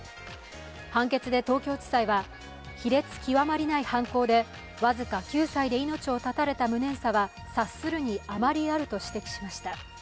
判決で東京地裁は、卑劣極まりない犯行で、僅か９歳で命を絶たれた無念さは察するに余りあると指摘しました。